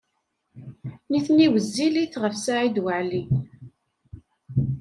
Nitni wezzilit ɣef Saɛid Waɛli.